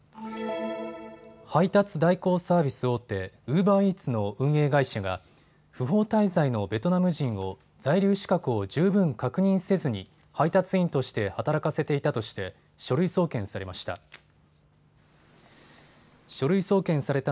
配達代行サービス大手、ウーバーイーツの運営会社が不法滞在のベトナム人を在留資格を十分確認せずに配達員として働かせていたとして書類送検されました。